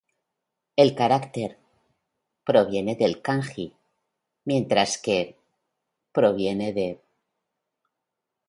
El carácter い proviene del kanji 以, mientras que イ proviene de 伊.